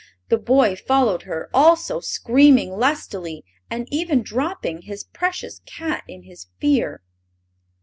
The boy followed her, also screaming lustily, and even dropping his precious cat in his fear.